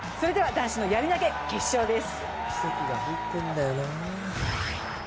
男子やり投決勝です。